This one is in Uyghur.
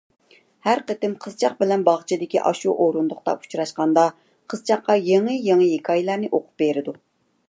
ھەر قېتىم قىزچاق بىلەن باغچىدىكى ئاشۇ ئورۇندۇقتا ئۇچراشقاندا، قىزچاققا يېڭى-يېڭى ھېكايىلەرنى ئوقۇپ بېرىدۇ.